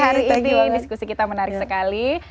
hari ini diskusi kita menarik sekali